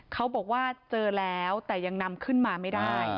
เขาบอกว่าเจอแล้วแต่ยังนำขึ้นมาไม่ได้